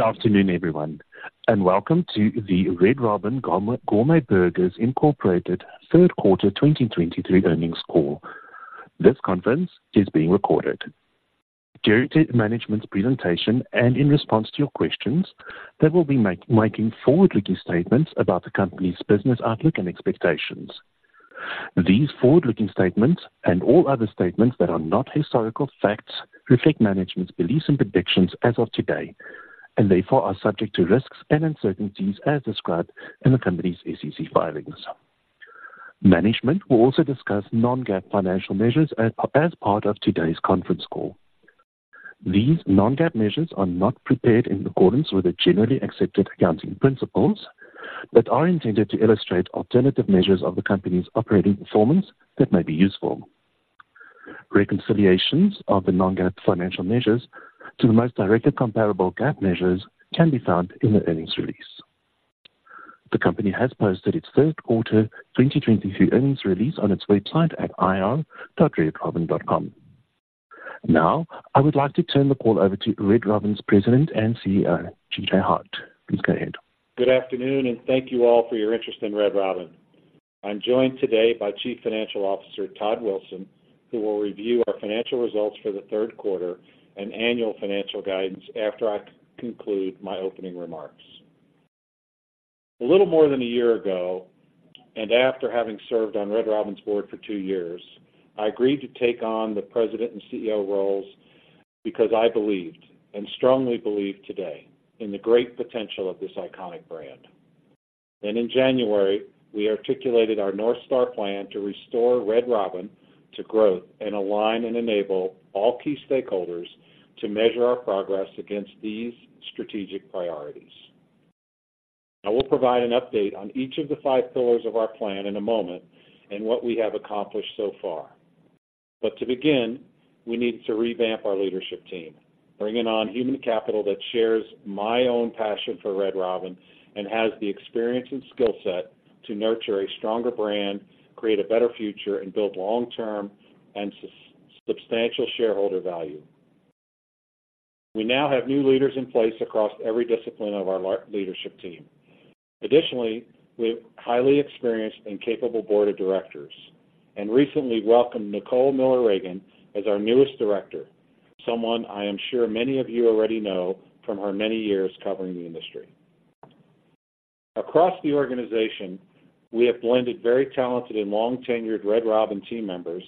Good afternoon, everyone, and welcome to the Red Robin Gourmet Burgers, Inc. third quarter 2023 earnings call. This conference is being recorded. During the management's presentation and in response to your questions, they will be making forward-looking statements about the company's business outlook and expectations. These forward-looking statements, and all other statements that are not historical facts, reflect management's beliefs and predictions as of today, and therefore are subject to risks and uncertainties as described in the company's SEC filings. Management will also discuss non-GAAP financial measures as part of today's conference call. These non-GAAP measures are not prepared in accordance with the generally accepted accounting principles, but are intended to illustrate alternative measures of the company's operating performance that may be useful. Reconciliations of the non-GAAP financial measures to the most directly comparable GAAP measures can be found in the earnings release. The company has posted its third quarter 2023 earnings release on its website at ir.redrobin.com. Now, I would like to turn the call over to Red Robin's President and CEO, G.J. Hart. Please go ahead. Good afternoon, and thank you all for your interest in Red Robin. I'm joined today by Chief Financial Officer, Todd Wilson, who will review our financial results for the third quarter and annual financial guidance after I conclude my opening remarks. A little more than a year ago, and after having served on Red Robin's board for two years, I agreed to take on the President and CEO roles because I believed, and strongly believe today, in the great potential of this iconic brand. Then in January, we articulated our North Star Plan to restore Red Robin to growth and align and enable all key stakeholders to measure our progress against these strategic priorities. I will provide an update on each of the five pillars of our plan in a moment and what we have accomplished so far. But to begin, we need to revamp our leadership team, bringing on human capital that shares my own passion for Red Robin and has the experience and skill set to nurture a stronger brand, create a better future, and build long-term and substantial shareholder value. We now have new leaders in place across every discipline of our leadership team. Additionally, we have a highly experienced and capable board of directors, and recently welcomed Nicole Miller Regan as our newest director, someone I am sure many of you already know from her many years covering the industry. Across the organization, we have blended very talented and long-tenured Red Robin team members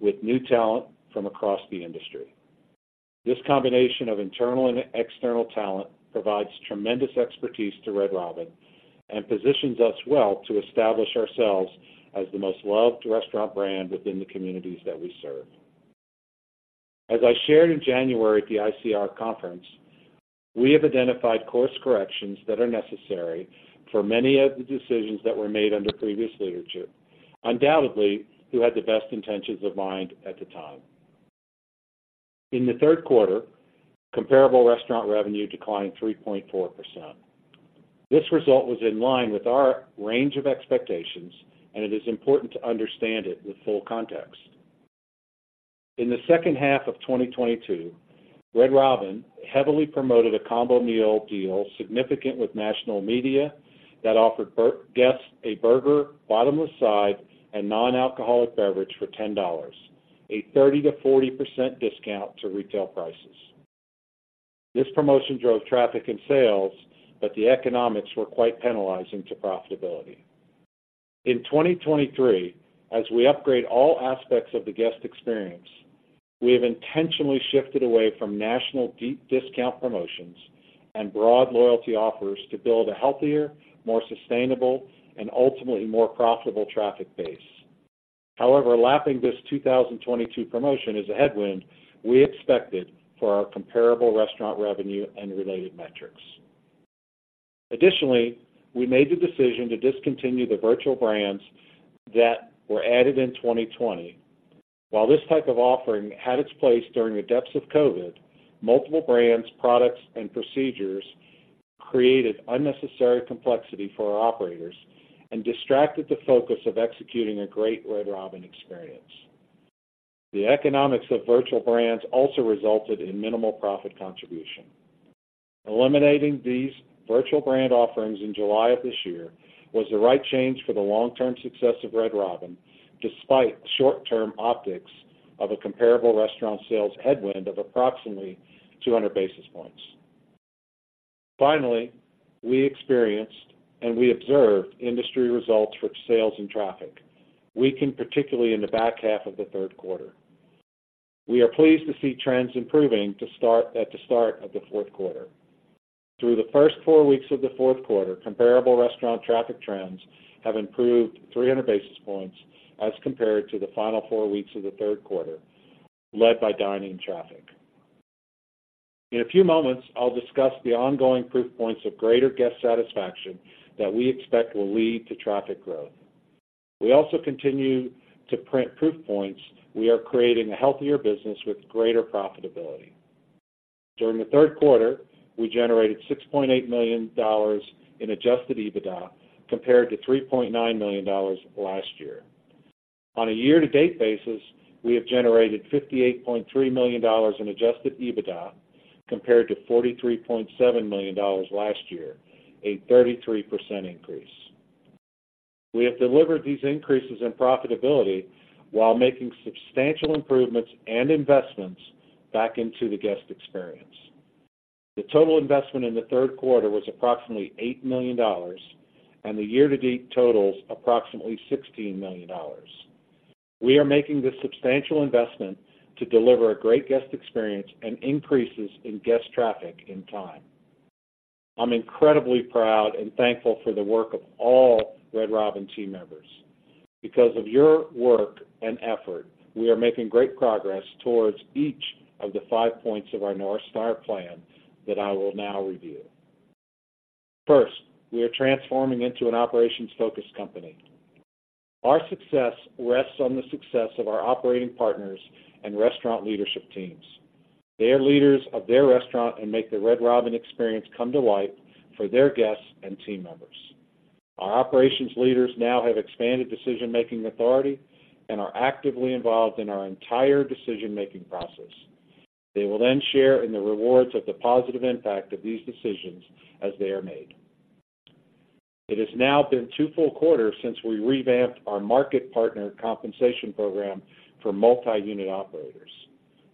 with new talent from across the industry. This combination of internal and external talent provides tremendous expertise to Red Robin and positions us well to establish ourselves as the most loved restaurant brand within the communities that we serve. As I shared in January at the ICR conference, we have identified course corrections that are necessary for many of the decisions that were made under previous leadership, undoubtedly, who had the best intentions of mind at the time. In the third quarter, comparable restaurant revenue declined 3.4%. This result was in line with our range of expectations, and it is important to understand it with full context. In the second half of 2022, Red Robin heavily promoted a combo meal deal, significant with national media, that offered guests a burger, bottomless side, and non-alcoholic beverage for $10, a 30%-40% discount to retail prices. This promotion drove traffic and sales, but the economics were quite penalizing to profitability. In 2023, as we upgrade all aspects of the guest experience, we have intentionally shifted away from national deep discount promotions and broad loyalty offers to build a healthier, more sustainable, and ultimately more profitable traffic base. However, lapping this 2022 promotion is a headwind we expected for our comparable restaurant revenue and related metrics. Additionally, we made the decision to discontinue the virtual brands that were added in 2020. While this type of offering had its place during the depths of COVID, multiple brands, products, and procedures created unnecessary complexity for our operators and distracted the focus of executing a great Red Robin experience. The economics of virtual brands also resulted in minimal profit contribution. Eliminating these virtual brand offerings in July of this year was the right change for the long-term success of Red Robin, despite the short-term optics of a comparable restaurant sales headwind of approximately 200 basis points. Finally, we experienced and we observed industry results for sales and traffic, weakened particularly in the back half of the third quarter. We are pleased to see trends improving at the start of the fourth quarter. Through the first four weeks of the fourth quarter, comparable restaurant traffic trends have improved 300 basis points as compared to the final four weeks of the third quarter, led by dine-in traffic. In a few moments, I'll discuss the ongoing proof points of greater guest satisfaction that we expect will lead to traffic growth. We also continue to print proof points. We are creating a healthier business with greater profitability. During the third quarter, we generated $6.8 million in Adjusted EBITDA, compared to $3.9 million last year. On a year-to-date basis, we have generated $58.3 million in Adjusted EBITDA, compared to $43.7 million last year, a 33% increase. We have delivered these increases in profitability while making substantial improvements and investments back into the guest experience. The total investment in the third quarter was approximately $8 million, and the year-to-date totals approximately $16 million. We are making this substantial investment to deliver a great guest experience and increases in guest traffic in time. I'm incredibly proud and thankful for the work of all Red Robin team members. Because of your work and effort, we are making great progress towards each of the five points of our North Star Plan that I will now review. First, we are transforming into an operations-focused company. Our success rests on the success of our operating partners and restaurant leadership teams. They are leaders of their restaurant and make the Red Robin experience come to life for their guests and team members. Our operations leaders now have expanded decision-making authority and are actively involved in our entire decision-making process. They will then share in the rewards of the positive impact of these decisions as they are made. It has now been two full quarters since we revamped our market partner compensation program for multi-unit operators.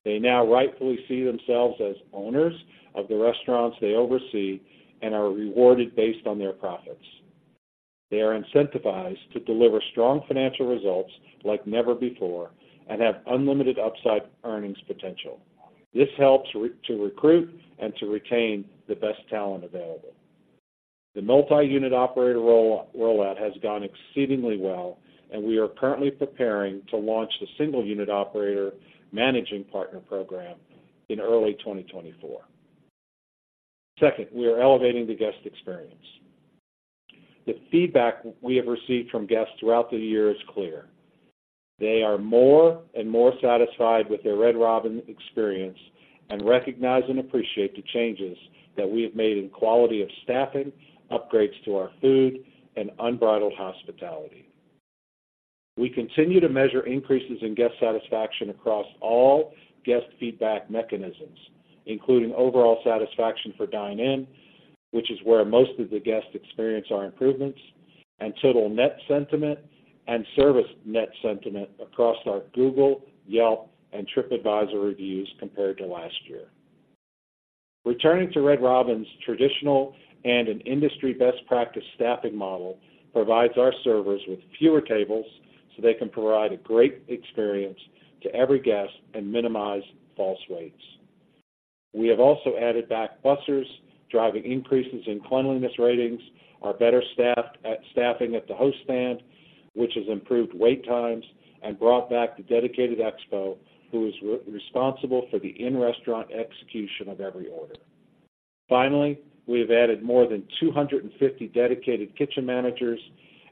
They now rightfully see themselves as owners of the restaurants they oversee and are rewarded based on their profits. They are incentivized to deliver strong financial results like never before and have unlimited upside earnings potential. This helps to recruit and to retain the best talent available. The multi-unit operator rollout has gone exceedingly well, and we are currently preparing to launch the single unit operator managing partner program in early 2024. Second, we are elevating the guest experience. The feedback we have received from guests throughout the year is clear. They are more and more satisfied with their Red Robin experience and recognize and appreciate the changes that we have made in quality of staffing, upgrades to our food, and unbridled hospitality. We continue to measure increases in guest satisfaction across all guest feedback mechanisms, including overall satisfaction for dine-in, which is where most of the guests experience our improvements, and total net sentiment and service net sentiment across our Google, Yelp, and TripAdvisor reviews compared to last year. Returning to Red Robin's traditional and an industry best practice staffing model provides our servers with fewer tables, so they can provide a great experience to every guest and minimize false rates. We have also added back bussers, driving increases in cleanliness ratings, are better staffed at the host stand, which has improved wait times and brought back the dedicated expo, who is responsible for the in-restaurant execution of every order. Finally, we have added more than 250 dedicated kitchen managers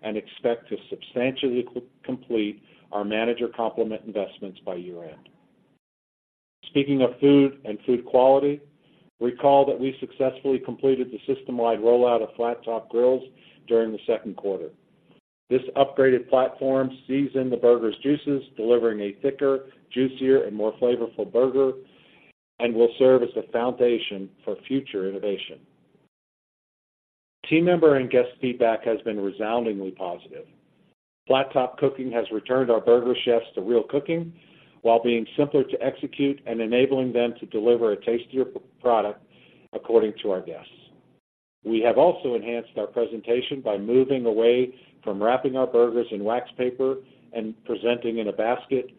and expect to substantially complete our manager complement investments by year-end. Speaking of food and food quality, recall that we successfully completed the system-wide rollout of flat top grills during the second quarter. This upgraded platform seasons the burger's juices, delivering a thicker, juicier, and more flavorful burger, and will serve as the foundation for future innovation. Team member and guest feedback has been resoundingly positive. Flat top cooking has returned our burger chefs to real cooking while being simpler to execute and enabling them to deliver a tastier product according to our guests. We have also enhanced our presentation by moving away from wrapping our burgers in wax paper and presenting in a basket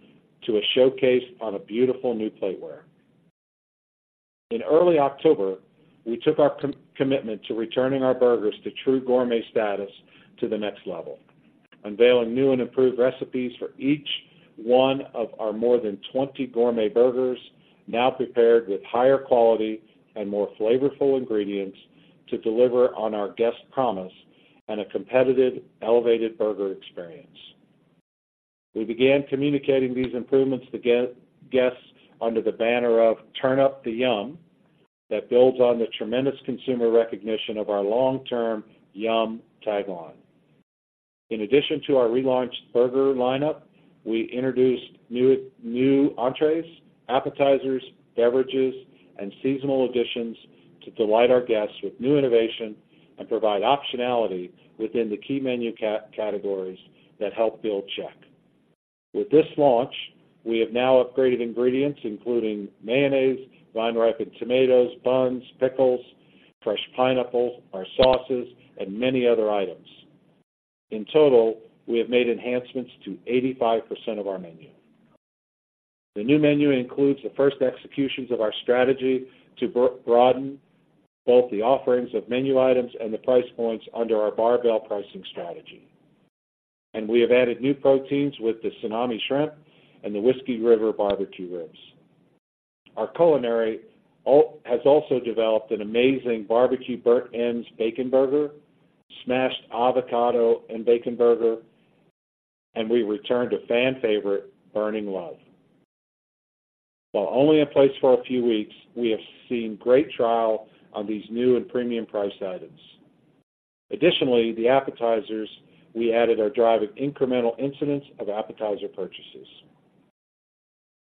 to a showcase on a beautiful new plateware. In early October, we took our commitment to returning our burgers to true gourmet status to the next level, unveiling new and improved recipes for each one of our more than twenty gourmet burgers, now prepared with higher quality and more flavorful ingredients to deliver on our guest promise and a competitive, elevated burger experience. We began communicating these improvements to guests under the banner of Turn Up the Yum, that builds on the tremendous consumer recognition of our long-term Yum tagline. In addition to our relaunched burger lineup, we introduced new entrees, appetizers, beverages, and seasonal additions to delight our guests with new innovation and provide optionality within the key menu categories that help build check. With this launch, we have now upgraded ingredients including mayonnaise, vine-ripened tomatoes, buns, pickles, fresh pineapple, our sauces, and many other items. In total, we have made enhancements to 85% of our menu. The new menu includes the first executions of our strategy to broaden both the offerings of menu items and the price points under our Barbell Pricing Strategy. We have added new proteins with the Tsunami Shrimp and the Whiskey River Barbecue Ribs. Our culinary team has also developed an amazing Barbecue Burnt Ends Bacon Burger, Smashed Avocado and Bacon Burger, and we returned a fan favorite, Burning Love. While only in place for a few weeks, we have seen great trial on these new and premium priced items. Additionally, the appetizers we added are driving incremental incidents of appetizer purchases.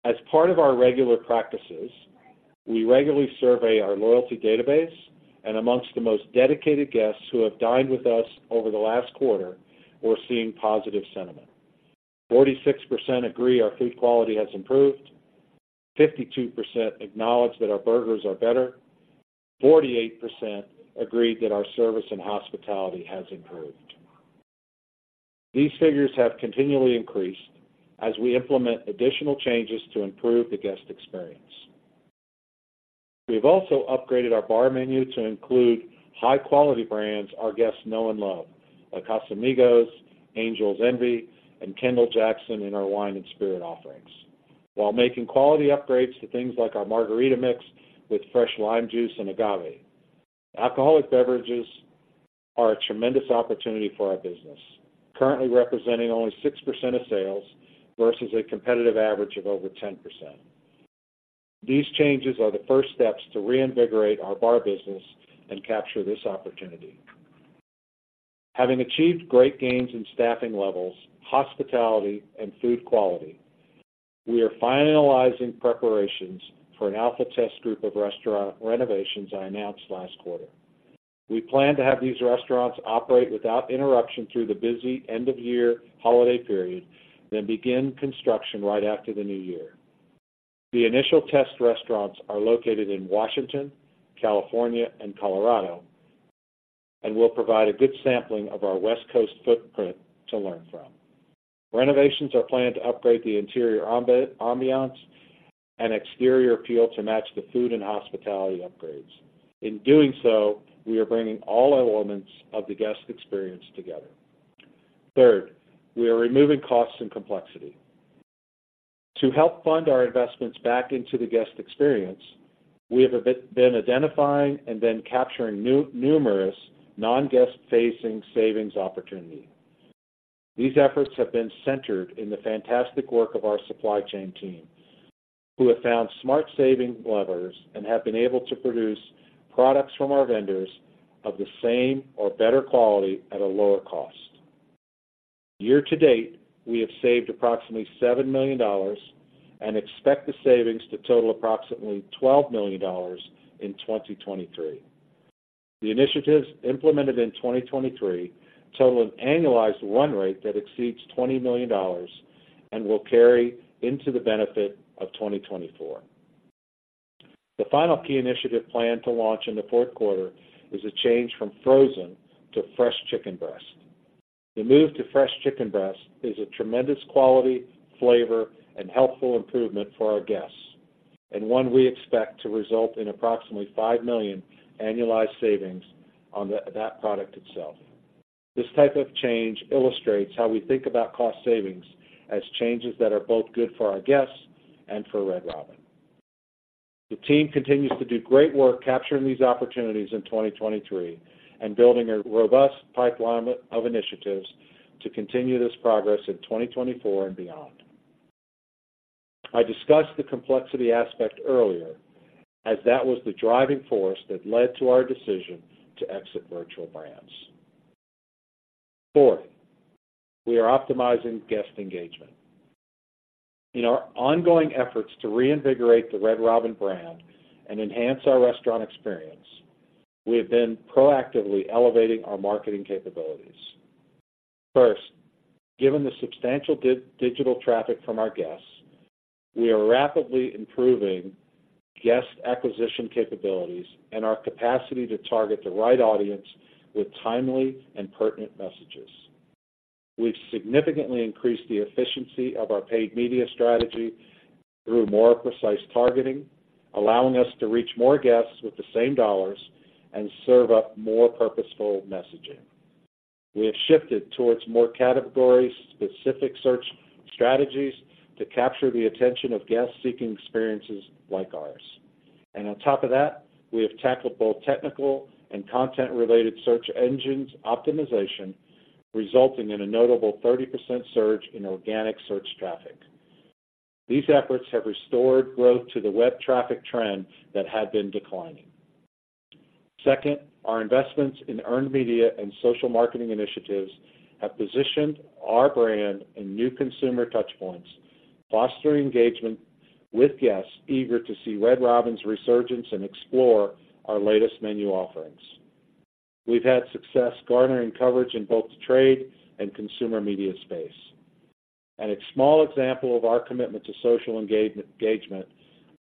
As part of our regular practices, we regularly survey our loyalty database, and amongst the most dedicated guests who have dined with us over the last quarter, we're seeing positive sentiment. 46% agree our food quality has improved, 52% acknowledge that our burgers are better, 48% agree that our service and hospitality has improved. These figures have continually increased as we implement additional changes to improve the guest experience. We've also upgraded our bar menu to include high-quality brands our guests know and love, like Casamigos, Angel's Envy, and Kendall-Jackson in our wine and spirit offerings, while making quality upgrades to things like our margarita mix with fresh lime juice and agave. Alcoholic beverages are a tremendous opportunity for our business, currently representing only 6% of sales versus a competitive average of over 10%. These changes are the first steps to reinvigorate our bar business and capture this opportunity. Having achieved great gains in staffing levels, hospitality, and food quality, we are finalizing preparations for an alpha test group of restaurant renovations I announced last quarter. We plan to have these restaurants operate without interruption through the busy end-of-year holiday period, then begin construction right after the new year. The initial test restaurants are located in Washington, California, and Colorado, and will provide a good sampling of our West Coast footprint to learn from. Renovations are planned to upgrade the interior ambiance and exterior appeal to match the food and hospitality upgrades. In doing so, we are bringing all elements of the guest experience together. Third, we are removing costs and complexity. To help fund our investments back into the guest experience, we have been identifying and then capturing numerous non-guest-facing savings opportunities. These efforts have been centered in the fantastic work of our supply chain team, who have found smart saving levers and have been able to produce products from our vendors of the same or better quality at a lower cost. Year to date, we have saved approximately $7 million and expect the savings to total approximately $12 million in 2023. The initiatives implemented in 2023 total an annualized run rate that exceeds $20 million and will carry into the benefit of 2024. The final key initiative planned to launch in the fourth quarter is a change from frozen to fresh chicken breast. The move to fresh chicken breast is a tremendous quality, flavor, and healthful improvement for our guests, and one we expect to result in approximately $5 million annualized savings on that product itself. This type of change illustrates how we think about cost savings as changes that are both good for our guests and for Red Robin. The team continues to do great work capturing these opportunities in 2023 and building a robust pipeline of initiatives to continue this progress in 2024 and beyond. I discussed the complexity aspect earlier, as that was the driving force that led to our decision to exit virtual brands. Fourth, we are optimizing guest engagement. In our ongoing efforts to reinvigorate the Red Robin brand and enhance our restaurant experience, we have been proactively elevating our marketing capabilities. First, given the substantial digital traffic from our guests, we are rapidly improving guest acquisition capabilities and our capacity to target the right audience with timely and pertinent messages. We've significantly increased the efficiency of our paid media strategy through more precise targeting, allowing us to reach more guests with the same dollars and serve up more purposeful messaging. We have shifted towards more category-specific search strategies to capture the attention of guests seeking experiences like ours. And on top of that, we have tackled both technical and content-related search engine optimization, resulting in a notable 30% surge in organic search traffic. These efforts have restored growth to the web traffic trend that had been declining. Second, our investments in earned media and social marketing initiatives have positioned our brand in new consumer touchpoints, fostering engagement with guests eager to see Red Robin's resurgence and explore our latest menu offerings. We've had success garnering coverage in both the trade and consumer media space. A small example of our commitment to social engagement,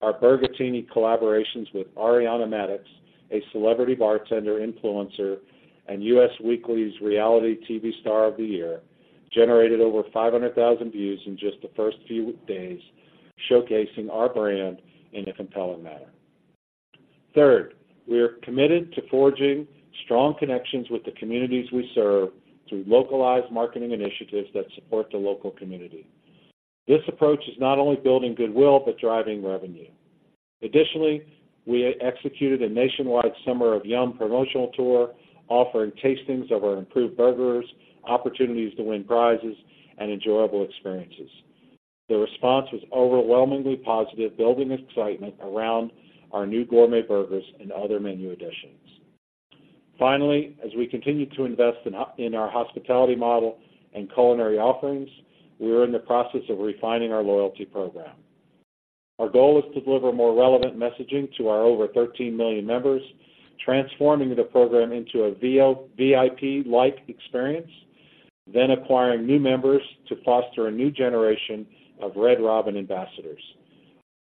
our Burgertini collaborations with Ariana Madix, a celebrity bartender influencer, and Us Weekly's Reality TV Star of the Year, generated over 500,000 views in just the first few days, showcasing our brand in a compelling manner. Third, we are committed to forging strong connections with the communities we serve through localized marketing initiatives that support the local community. This approach is not only building goodwill, but driving revenue. Additionally, we executed a nationwide Summer of Yum promotional tour, offering tastings of our improved burgers, opportunities to win prizes, and enjoyable experiences. The response was overwhelmingly positive, building excitement around our new gourmet burgers and other menu additions. Finally, as we continue to invest in our, in our hospitality model and culinary offerings, we are in the process of refining our loyalty program. Our goal is to deliver more relevant messaging to our over 13 million members, transforming the program into a VIP-like experience, then acquiring new members to foster a new generation of Red Robin ambassadors.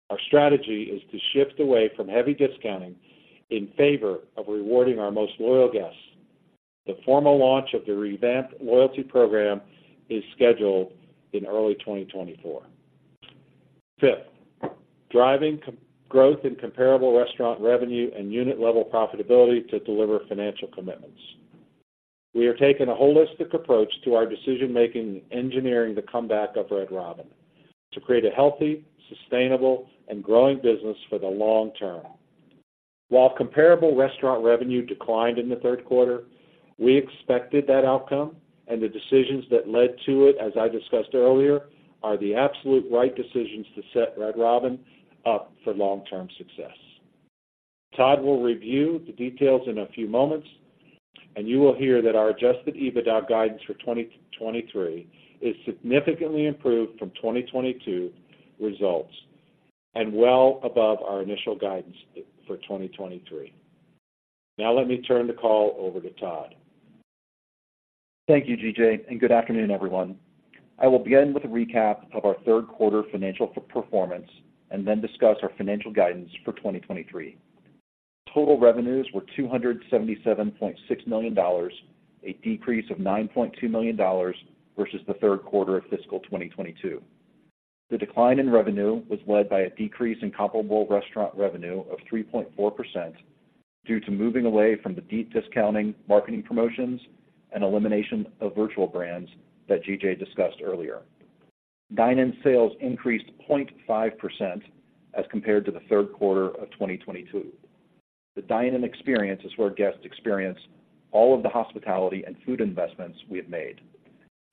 Our strategy is to shift away from heavy discounting in favor of rewarding our most loyal guests. The formal launch of the revamped loyalty program is scheduled in early 2024. Fifth, driving comparable growth in comparable restaurant revenue and unit-level profitability to deliver financial commitments. We are taking a holistic approach to our decision-making, engineering the comeback of Red Robin to create a healthy, sustainable, and growing business for the long term. While comparable restaurant revenue declined in the third quarter, we expected that outcome, and the decisions that led to it, as I discussed earlier, are the absolute right decisions to set Red Robin up for long-term success. Todd will review the details in a few moments, and you will hear that our Adjusted EBITDA guidance for 2023 is significantly improved from 2022 results and well above our initial guidance for 2023. Now let me turn the call over to Todd. Thank you, GJ, and good afternoon, everyone. I will begin with a recap of our third quarter financial performance and then discuss our financial guidance for 2023. Total revenues were $277.6 million, a decrease of $9.2 million versus the third quarter of fiscal 2022. The decline in revenue was led by a decrease in comparable restaurant revenue of 3.4% due to moving away from the deep discounting marketing promotions and elimination of virtual brands that GJ discussed earlier. Dine-in sales increased 0.5% as compared to the third quarter of 2022. The dine-in experience is where guests experience all of the hospitality and food investments we have made.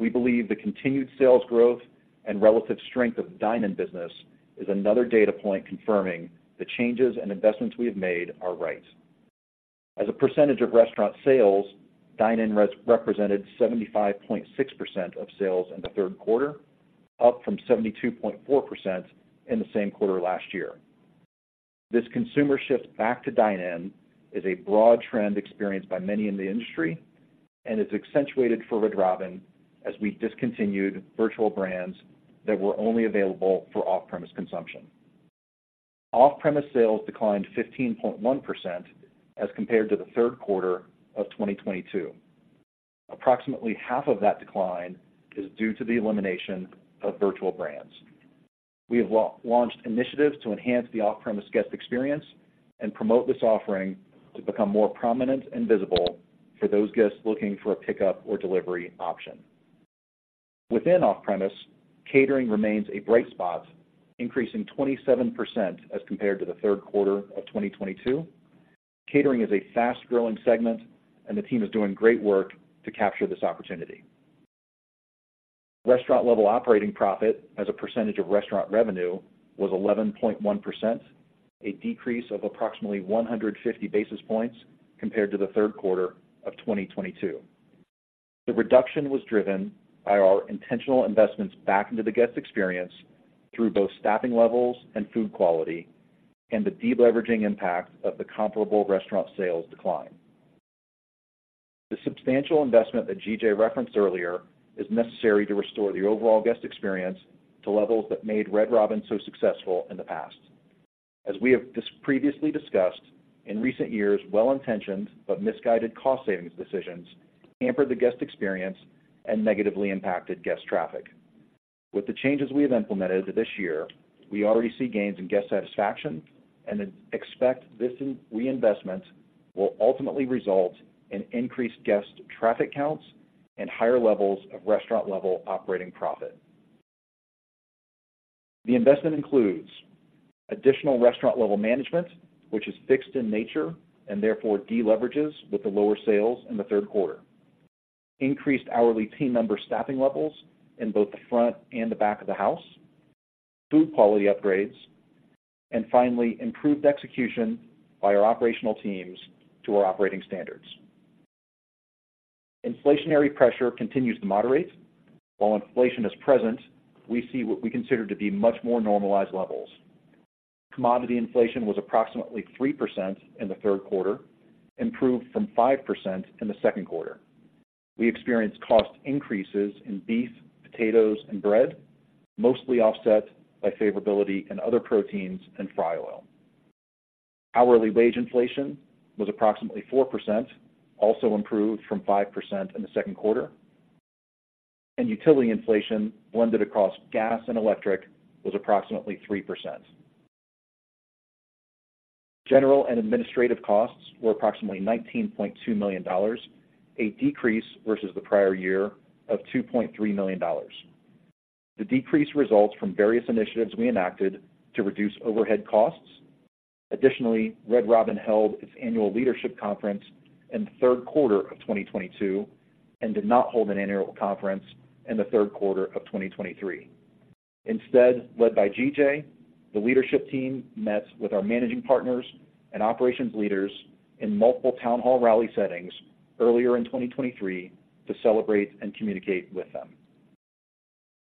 We believe the continued sales growth and relative strength of the dine-in business is another data point confirming the changes and investments we have made are right. As a percentage of restaurant sales, dine-in represented 75.6% of sales in the third quarter, up from 72.4% in the same quarter last year. This consumer shift back to dine-in is a broad trend experienced by many in the industry and is accentuated for Red Robin as we discontinued virtual brands that were only available for off-premise consumption. Off-premise sales declined 15.1% as compared to the third quarter of 2022. Approximately half of that decline is due to the elimination of virtual brands. We have launched initiatives to enhance the off-premise guest experience and promote this offering to become more prominent and visible for those guests looking for a pickup or delivery option. Within off-premise, catering remains a bright spot, increasing 27% as compared to the third quarter of 2022. Catering is a fast-growing segment, and the team is doing great work to capture this opportunity. Restaurant Level Operating Profit as a percentage of restaurant revenue was 11.1%, a decrease of approximately 150 basis points compared to the third quarter of 2022. The reduction was driven by our intentional investments back into the guest experience through both staffing levels and food quality, and the deleveraging impact of the comparable restaurant sales decline. The substantial investment that G.J. referenced earlier is necessary to restore the overall guest experience to levels that made Red Robin so successful in the past. As we have previously discussed, in recent years, well-intentioned but misguided cost savings decisions hampered the guest experience and negatively impacted guest traffic. With the changes we have implemented this year, we already see gains in guest satisfaction and expect this reinvestment will ultimately result in increased guest traffic counts and higher levels of restaurant-level operating profit. The investment includes additional restaurant-level management, which is fixed in nature and therefore deleverages with the lower sales in the third quarter, increased hourly team member staffing levels in both the front and the back of the house, food quality upgrades, and finally, improved execution by our operational teams to our operating standards. Inflationary pressure continues to moderate. While inflation is present, we see what we consider to be much more normalized levels. Commodity inflation was approximately 3% in the third quarter, improved from 5% in the second quarter. We experienced cost increases in beef, potatoes, and bread, mostly offset by favorability in other proteins and fry oil. Hourly wage inflation was approximately 4%, also improved from 5% in the second quarter, and utility inflation blended across gas and electric, was approximately 3%. General and administrative costs were approximately $19.2 million, a decrease versus the prior year of $2.3 million. The decrease results from various initiatives we enacted to reduce overhead costs. Additionally, Red Robin held its annual leadership conference in the third quarter of 2022, and did not hold an annual conference in the third quarter of 2023. Instead, led by G.J., the leadership team met with our managing partners and operations leaders in multiple town hall rally settings earlier in 2023 to celebrate and communicate with them.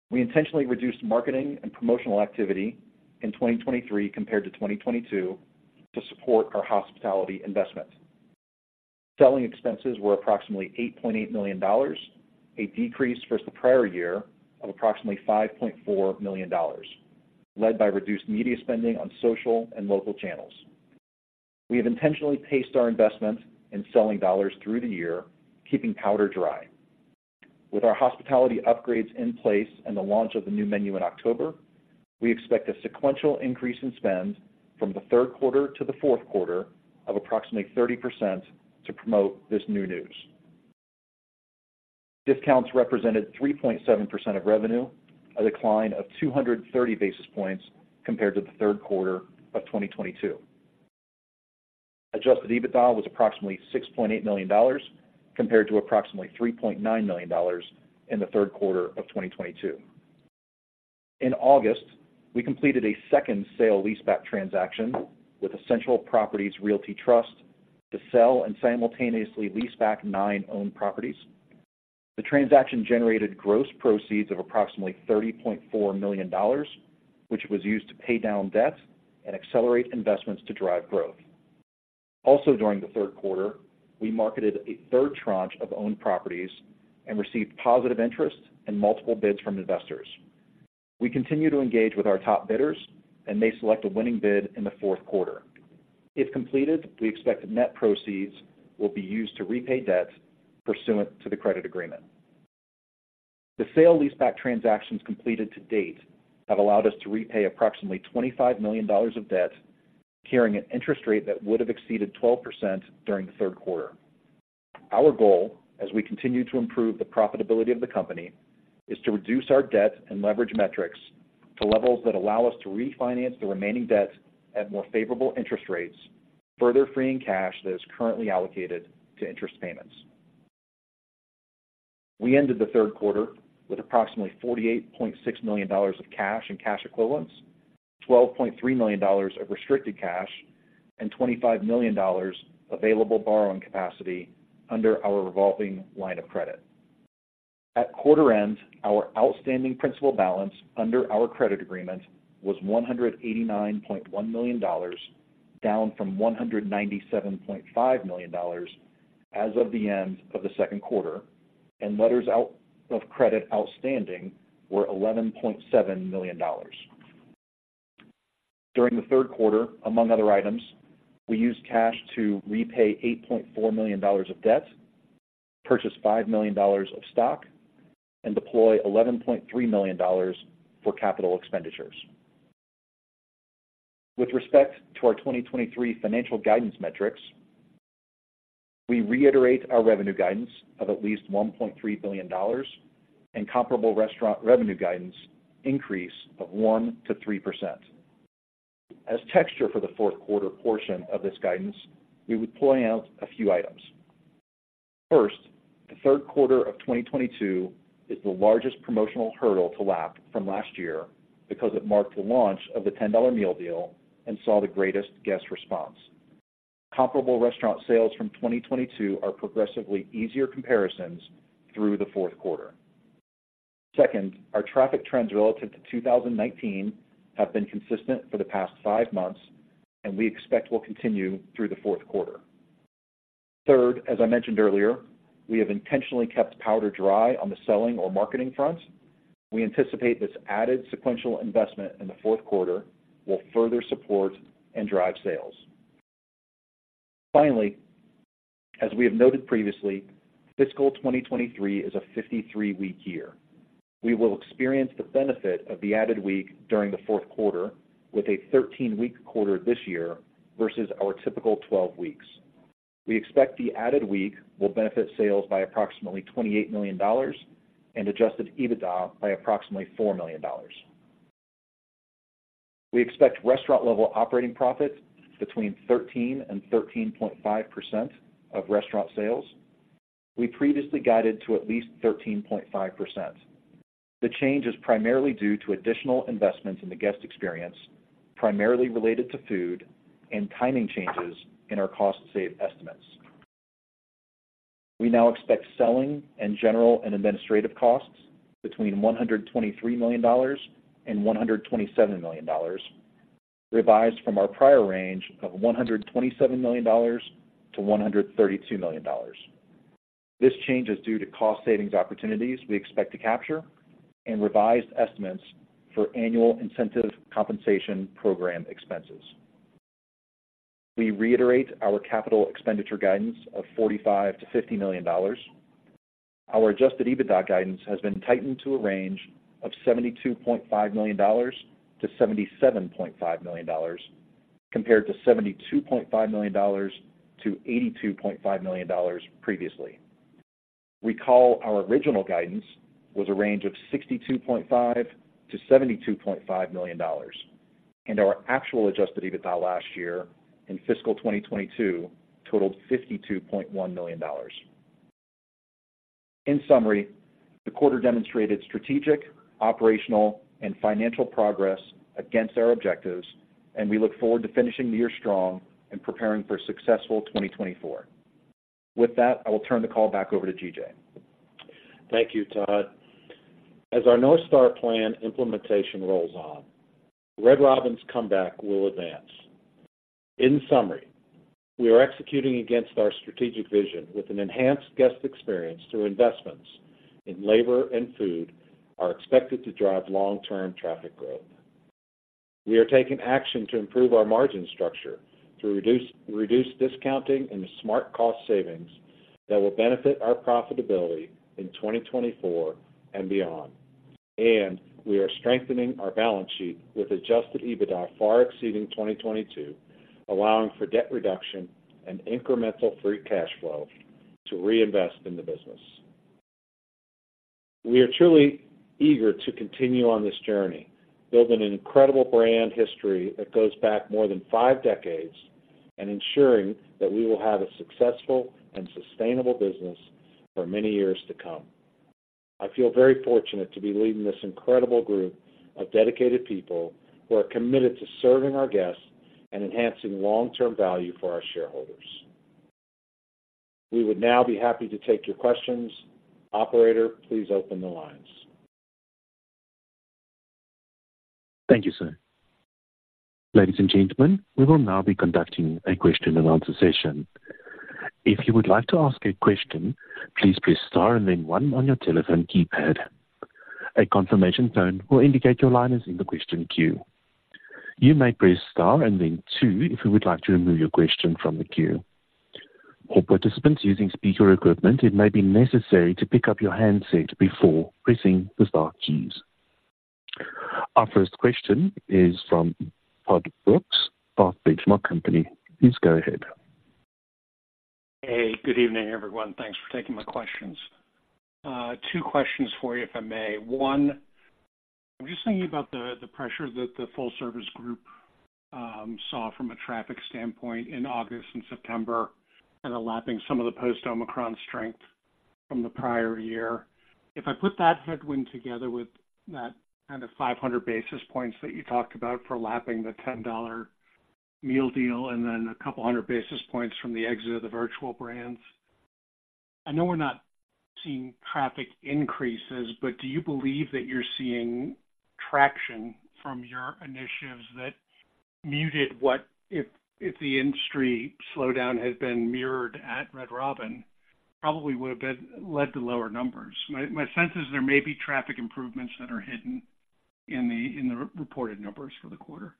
We intentionally reduced marketing and promotional activity in 2023 compared to 2022 to support our hospitality investment. Selling expenses were approximately $8.8 million, a decrease versus the prior year of approximately $5.4 million, led by reduced media spending on social and local channels. We have intentionally paced our investment in selling dollars through the year, keeping powder dry. With our hospitality upgrades in place and the launch of the new menu in October, we expect a sequential increase in spend from the third quarter to the fourth quarter of approximately 30% to promote this new news. Discounts represented 3.7% of revenue, a decline of 230 basis points compared to the third quarter of 2022. Adjusted EBITDA was approximately $6.8 million, compared to approximately $3.9 million in the third quarter of 2022. In August, we completed a second sale-leaseback transaction with Essential Properties Realty Trust to sell and simultaneously lease back nine owned properties. The transaction generated gross proceeds of approximately $30.4 million, which was used to pay down debt and accelerate investments to drive growth. Also, during the third quarter, we marketed a third tranche of owned properties and received positive interest and multiple bids from investors. We continue to engage with our top bidders and may select a winning bid in the fourth quarter. If completed, we expect the net proceeds will be used to repay debt pursuant to the credit agreement. The sale-leaseback transactions completed to date have allowed us to repay approximately $25 million of debt, carrying an interest rate that would have exceeded 12% during the third quarter. Our goal, as we continue to improve the profitability of the company, is to reduce our debt and leverage metrics to levels that allow us to refinance the remaining debt at more favorable interest rates, further freeing cash that is currently allocated to interest payments. We ended the third quarter with approximately $48.6 million of cash and cash equivalents, $12.3 million of restricted cash and $25 million available borrowing capacity under our revolving line of credit. At quarter end, our outstanding principal balance under our credit agreement was $189.1 million, down from $197.5 million as of the end of the second quarter, and letters of credit outstanding were $11.7 million. During the third quarter, among other items, we used cash to repay $8.4 million of debt, purchase $5 million of stock, and deploy $11.3 million for capital expenditures. With respect to our 2023 financial guidance metrics, we reiterate our revenue guidance of at least $1.3 billion and comparable restaurant revenue guidance increase of 1%-3%. As context for the fourth quarter portion of this guidance, we would point out a few items. First, the third quarter of 2022 is the largest promotional hurdle to lap from last year because it marked the launch of the $10 meal deal and saw the greatest guest response. Comparable restaurant sales from 2022 are progressively easier comparisons through the fourth quarter. Second, our traffic trends relative to 2019 have been consistent for the past five months and we expect will continue through the fourth quarter. Third, as I mentioned earlier, we have intentionally kept powder dry on the selling or marketing front. We anticipate this added sequential investment in the fourth quarter will further support and drive sales. Finally, as we have noted previously, fiscal 2023 is a 53-week year. We will experience the benefit of the added week during the fourth quarter with a 13-week quarter this year versus our typical 12 weeks. We expect the added week will benefit sales by approximately $28 million and Adjusted EBITDA by approximately $4 million. We expect restaurant level operating profit between 13%-13.5% of restaurant sales. We previously guided to at least 13.5%. The change is primarily due to additional investments in the guest experience, primarily related to food and timing changes in our cost savings estimates. We now expect selling and general and administrative costs between $123 million and $127 million, revised from our prior range of $127 million to $132 million. This change is due to cost savings opportunities we expect to capture and revised estimates for annual incentive compensation program expenses. We reiterate our capital expenditure guidance of $45 million-$50 million.... Our adjusted EBITDA guidance has been tightened to a range of $72.5 million-$77.5 million, compared to $72.5 million-$82.5 million previously. Recall, our original guidance was a range of $62.5 million-$72.5 million, and our actual adjusted EBITDA last year in fiscal 2022 totaled $52.1 million. In summary, the quarter demonstrated strategic, operational, and financial progress against our objectives, and we look forward to finishing the year strong and preparing for a successful 2024. With that, I will turn the call back over to G.J. Thank you, Todd. As our North Star Plan implementation rolls on, Red Robin's comeback will advance. In summary, we are executing against our strategic vision with an enhanced guest experience through investments in labor and food, are expected to drive long-term traffic growth. We are taking action to improve our margin structure, to reduce discounting and smart cost savings that will benefit our profitability in 2024 and beyond. And we are strengthening our balance sheet with Adjusted EBITDA far exceeding 2022, allowing for debt reduction and incremental free cash flow to reinvest in the business. We are truly eager to continue on this journey, building an incredible brand history that goes back more than five decades and ensuring that we will have a successful and sustainable business for many years to come. I feel very fortunate to be leading this incredible group of dedicated people who are committed to serving our guests and enhancing long-term value for our shareholders. We would now be happy to take your questions. Operator, please open the lines. Thank you, sir. Ladies and gentlemen, we will now be conducting a question-and-answer session. If you would like to ask a question, please press star and then one on your telephone keypad. A confirmation tone will indicate your line is in the question queue. You may press star and then two if you would like to remove your question from the queue. For participants using speaker equipment, it may be necessary to pick up your handset before pressing the star keys. Our first question is from Todd Brooks, The Benchmark Company. Please go ahead. Hey, good evening, everyone. Thanks for taking my questions. Two questions for you, if I may. One, I'm just thinking about the pressure that the full service group saw from a traffic standpoint in August and September, and lapping some of the post-Omicron strength from the prior year. If I put that headwind together with that kind of 500 basis points that you talked about for lapping the $10 meal deal, and then 200 basis points from the exit of the virtual brands, I know we're not seeing traffic increases, but do you believe that you're seeing traction from your initiatives that muted what if, if the industry slowdown had been mirrored at Red Robin, probably would have been led to lower numbers? My sense is there may be traffic improvements that are hidden in the reported numbers for the quarter.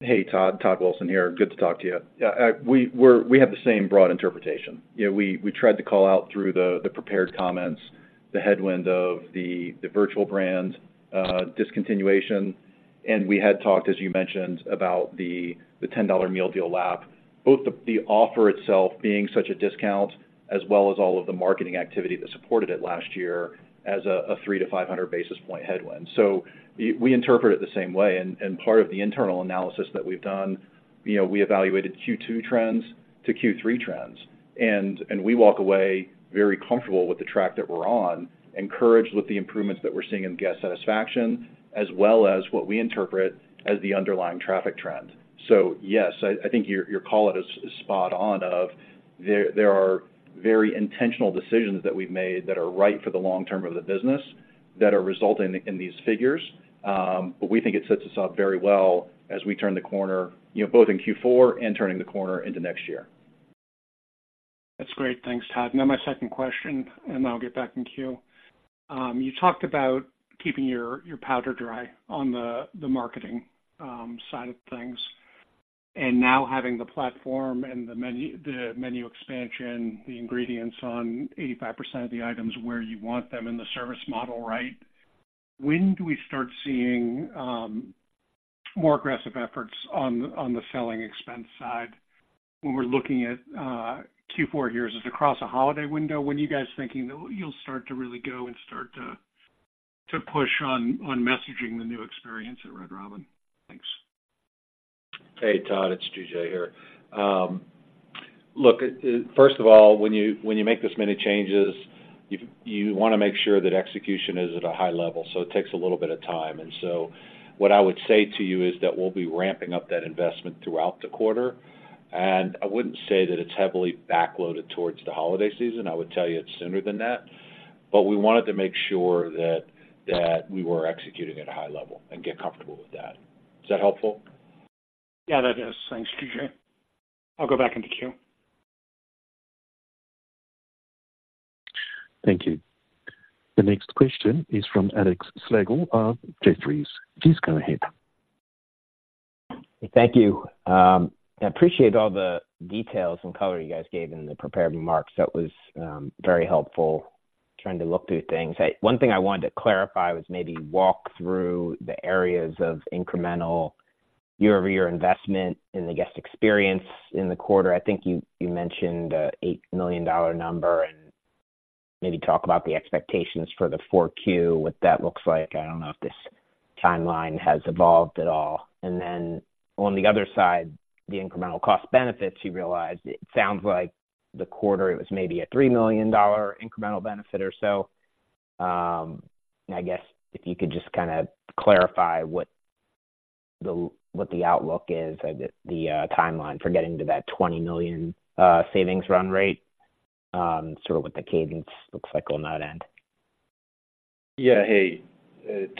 Hey, Todd. Todd Wilson here. Good to talk to you. Yeah, we're—we have the same broad interpretation. You know, we tried to call out through the prepared comments, the headwind of the virtual brand discontinuation, and we had talked, as you mentioned, about the $10 meal deal lap. Both the offer itself being such a discount, as well as all of the marketing activity that supported it last year as a 300-500 basis point headwind. So we interpret it the same way, and part of the internal analysis that we've done, you know, we evaluated Q2 trends to Q3 trends, and we walk away very comfortable with the track that we're on, encouraged with the improvements that we're seeing in guest satisfaction, as well as what we interpret as the underlying traffic trend. So yes, I think your call is spot on. There are very intentional decisions that we've made that are right for the long term of the business, that are resulting in these figures. But we think it sets us up very well as we turn the corner, you know, both in Q4 and turning the corner into next year. That's great. Thanks, Todd. Now my second question, and I'll get back in queue. You talked about keeping your, your powder dry on the, the marketing side of things, and now having the platform and the menu, the menu expansion, the ingredients on 85% of the items where you want them, and the service model right. When do we start seeing more aggressive efforts on the selling expense side when we're looking at Q4? Is it across a holiday window? When are you guys thinking that you'll start to really go and start to push on messaging the new experience at Red Robin? Thanks. Hey, Todd, it's G.J. here. Look, first of all, when you, when you make this many changes, you, you want to make sure that execution is at a high level, so it takes a little bit of time. So what I would say to you is that we'll be ramping up that investment throughout the quarter, and I wouldn't say that it's heavily backloaded towards the holiday season. I would tell you it's sooner than that, but we wanted to make sure that, that we were executing at a high level and get comfortable with that. Is that helpful? Yeah, that is. Thanks, G.J. I'll go back into queue. Thank you. The next question is from Alex Slagle of Jefferies. Please go ahead.... Thank you. I appreciate all the details and color you guys gave in the prepared remarks. That was very helpful trying to look through things. Hey, one thing I wanted to clarify was maybe walk through the areas of incremental year-over-year investment in the guest experience in the quarter. I think you mentioned $8 million number, and maybe talk about the expectations for the 4Q, what that looks like. I don't know if this timeline has evolved at all. And then on the other side, the incremental cost benefits you realized, it sounds like the quarter, it was maybe a $3 million incremental benefit or so. I guess if you could just kinda clarify what the outlook is and the timeline for getting to that $20 million savings run rate, sort of what the cadence looks like on that end. Yeah. Hey,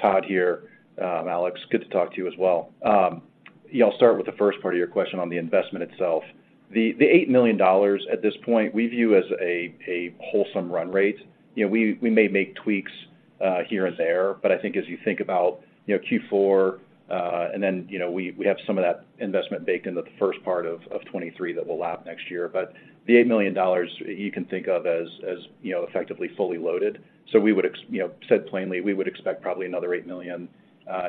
Todd here. Alex, good to talk to you as well. Yeah, I'll start with the first part of your question on the investment itself. The eight million dollars at this point, we view as a wholesome run rate. You know, we may make tweaks here and there, but I think as you think about, you know, Q4, and then, you know, we have some of that investment baked into the first part of 2023 that will lap next year. But the $8 million you can think of as, you know, effectively fully loaded. So we would—you know, said plainly, we would expect probably another $8 million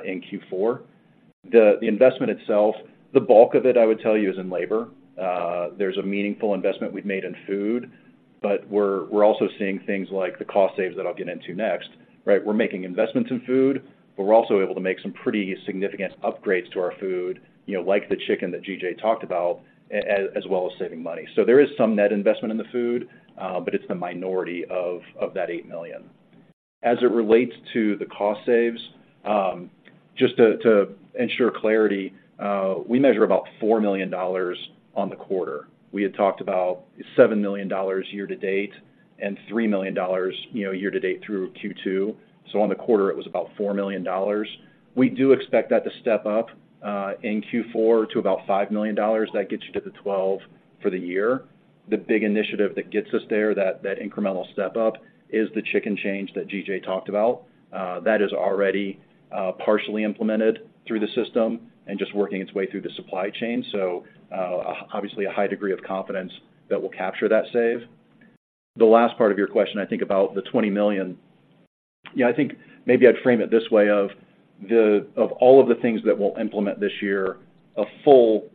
in Q4. The investment itself, the bulk of it, I would tell you, is in labor. There's a meaningful investment we've made in food, but we're also seeing things like the cost saves that I'll get into next, right? We're making investments in food, but we're also able to make some pretty significant upgrades to our food, you know, like the chicken that G.J. talked about, as well as saving money. So there is some net investment in the food, but it's the minority of that $8 million. As it relates to the cost saves, just to ensure clarity, we measure about $4 million on the quarter. We had talked about $7 million year to date and $3 million, you know, year to date through Q2. So on the quarter, it was about $4 million. We do expect that to step up in Q4 to about $5 million. That gets you to the 12 for the year. The big initiative that gets us there, that, that incremental step up, is the chicken change that G.J. talked about. That is already partially implemented through the system and just working its way through the supply chain. So, obviously, a high degree of confidence that we'll capture that save. The last part of your question, I think, about the $20 million. Yeah, I think maybe I'd frame it this way of all of the things that we'll implement this year, a full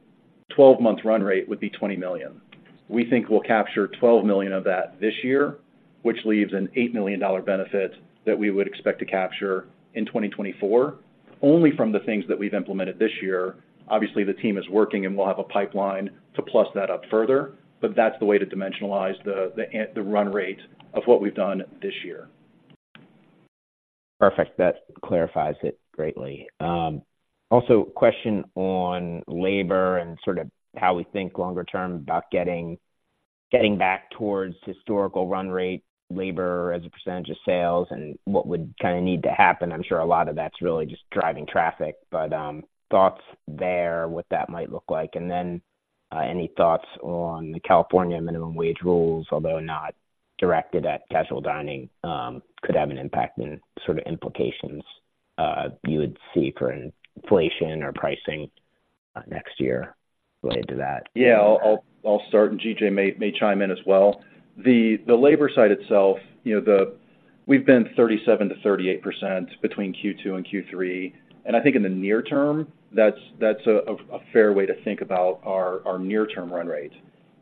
12-month run rate would be $20 million. We think we'll capture $12 million of that this year, which leaves an $8 million benefit that we would expect to capture in 2024, only from the things that we've implemented this year. Obviously, the team is working, and we'll have a pipeline to plus that up further, but that's the way to dimensionalize the run rate of what we've done this year. Perfect. That clarifies it greatly. Also, question on labor and sort of how we think longer term about getting back towards historical run rate labor as a percentage of sales and what would kind of need to happen. I'm sure a lot of that's really just driving traffic, but thoughts there, what that might look like. And then, any thoughts on the California minimum wage rules, although not directed at casual dining, could have an impact and sort of implications you would see for inflation or pricing next year related to that? Yeah, I'll start, and G.J. may chime in as well. The labor side itself, you know, we've been 37%-38% between Q2 and Q3, and I think in the near term, that's a fair way to think about our near-term run rate.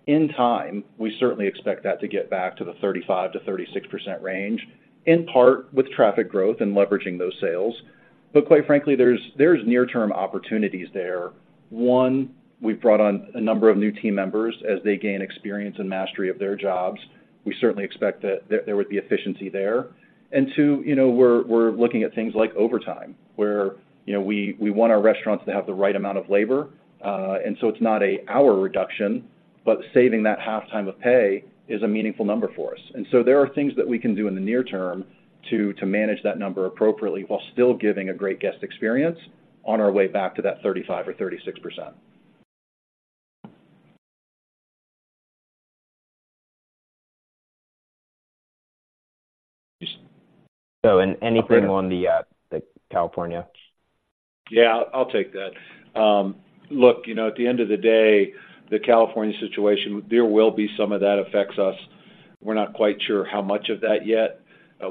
In time, we certainly expect that to get back to the 35%-36% range, in part with traffic growth and leveraging those sales. But quite frankly, there's near-term opportunities there. One, we've brought on a number of new team members. As they gain experience and mastery of their jobs, we certainly expect that there would be efficiency there. Two, you know, we're looking at things like overtime, where, you know, we want our restaurants to have the right amount of labor, and so it's not a hour reduction, but saving that half time of pay is a meaningful number for us. And so there are things that we can do in the near term to manage that number appropriately while still giving a great guest experience on our way back to that 35% or 36%. Anything on the California? Yeah, I'll take that. Look, you know, at the end of the day, the California situation, there will be some of that affects us. We're not quite sure how much of that yet.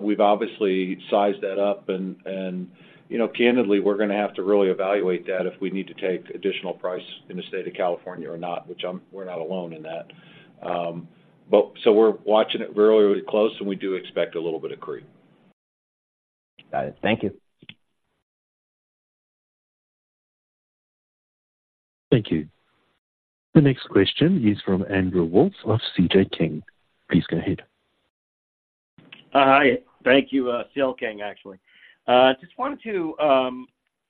We've obviously sized that up and, you know, candidly, we're gonna have to really evaluate that if we need to take additional price in the state of California or not, which I'm-- we're not alone in that. But so we're watching it really, really close, and we do expect a little bit of creep. Got it. Thank you. Thank you. The next question is from Andrew Wolf of C.L. King. Please go ahead. Hi. Thank you. C.L. King, actually. Just wanted to,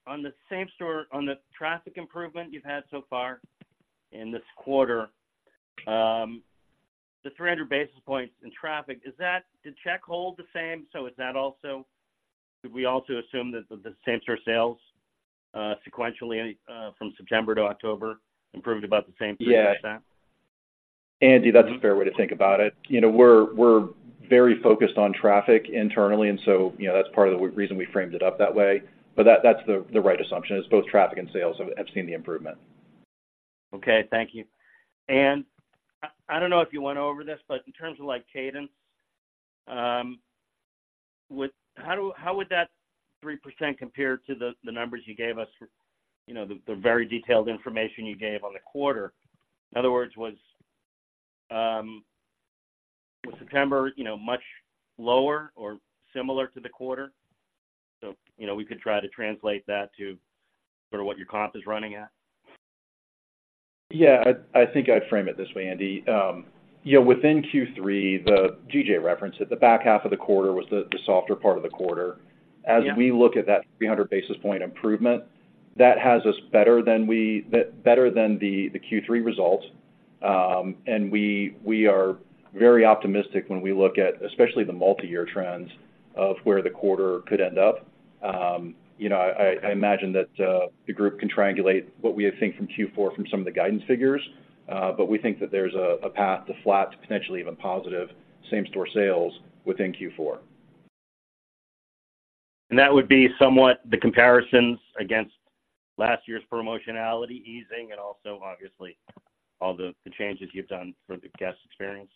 on the same store, on the traffic improvement you've had so far in this quarter, the 300 basis points in traffic, is that—did check hold the same? So is that also... Did we also assume that the same store sales, sequentially, from September to October improved about the same 300%?... Andy, that's a fair way to think about it. You know, we're very focused on traffic internally, and so, you know, that's part of the reason we framed it up that way. But that, that's the right assumption, is both traffic and sales have seen the improvement. Okay, thank you. And I don't know if you went over this, but in terms of, like, cadence, how would that 3% compare to the numbers you gave us for, you know, the very detailed information you gave on the quarter? In other words, was September, you know, much lower or similar to the quarter? So, you know, we could try to translate that to sort of what your comp is running at. Yeah, I think I'd frame it this way, Andy. You know, within Q3, the G.J. referenced it, the back half of the quarter was the softer part of the quarter. Yeah. As we look at that 300 basis point improvement, that has us better than the Q3 results. And we are very optimistic when we look at especially the multi-year trends of where the quarter could end up. You know, I imagine that the group can triangulate what we think from Q4 from some of the guidance figures, but we think that there's a path to flat, potentially even positive, same store sales within Q4. That would be somewhat the comparisons against last year's promotionality easing and also, obviously, all the changes you've done for the guest experience?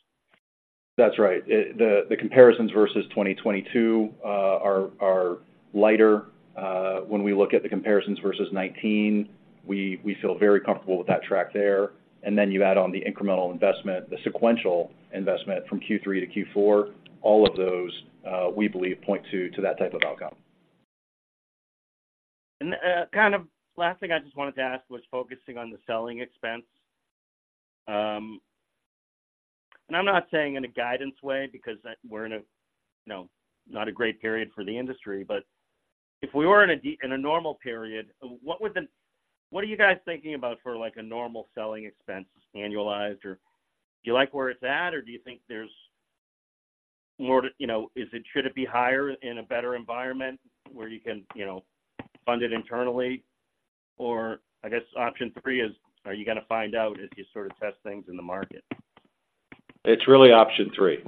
That's right. The comparisons versus 2022 are lighter. When we look at the comparisons versus 2019, we feel very comfortable with that track there. And then you add on the incremental investment, the sequential investment from Q3 to Q4. All of those, we believe, point to that type of outcome. Kind of last thing I just wanted to ask was focusing on the selling expense. And I'm not saying in a guidance way, because we're in a, you know, not a great period for the industry, but if we were in a normal period, what would the... What are you guys thinking about for, like, a normal selling expense annualized? Or do you like where it's at, or do you think there's more to, you know - is it, should it be higher in a better environment where you can, you know, fund it internally? Or I guess option three is, are you gonna find out as you sort of test things in the market? It's really option three.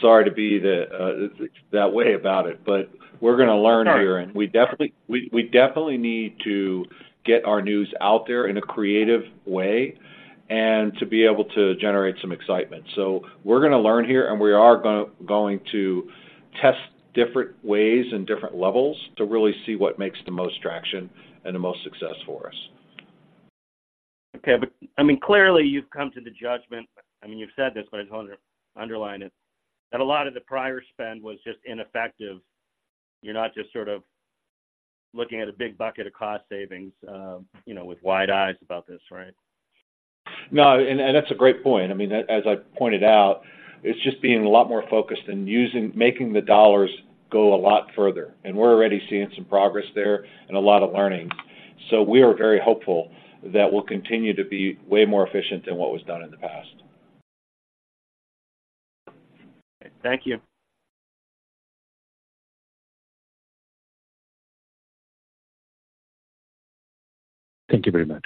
Sorry to be that way about it, but we're gonna learn here. Sorry. We definitely need to get our news out there in a creative way and to be able to generate some excitement. We're gonna learn here, and we are going to test different ways and different levels to really see what makes the most traction and the most success for us. Okay. But I mean, clearly, you've come to the judgment... I mean, you've said this, but I just want to underline it, that a lot of the prior spend was just ineffective. You're not just sort of looking at a big bucket of cost savings, you know, with wide eyes about this, right? No, and that's a great point. I mean, as I pointed out, it's just being a lot more focused and using, making the dollars go a lot further. And we're already seeing some progress there and a lot of learning. So we are very hopeful that we'll continue to be way more efficient than what was done in the past. Thank you. Thank you very much.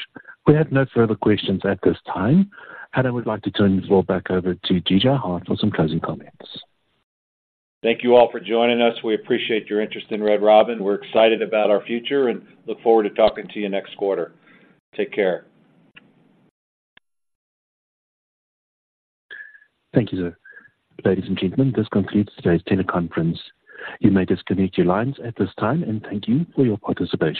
We have no further questions at this time, and I would like to turn the floor back over to G.J. Hart for some closing comments. Thank you all for joining us. We appreciate your interest in Red Robin. We're excited about our future and look forward to talking to you next quarter. Take care. Thank you, sir. Ladies and gentlemen, this concludes today's teleconference. You may disconnect your lines at this time, and thank you for your participation.